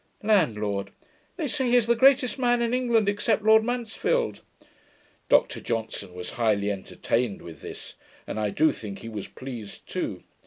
LANDLORD. 'They say he is the greatest man in England, except Lord Mansfield.' Dr Johnson was highly entertained with this, and I do think he was pleased too.